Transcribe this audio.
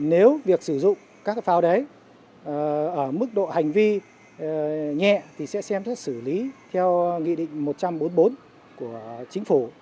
nếu việc sử dụng các pháo đấy ở mức độ hành vi nhẹ thì sẽ xem xét xử lý theo nghị định một trăm bốn mươi bốn của chính phủ